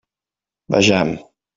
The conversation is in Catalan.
Vejam.